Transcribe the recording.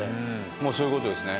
もうそういう事ですね。